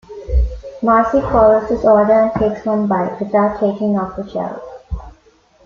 Marcie follows this order and takes one bite; without taking off the shells.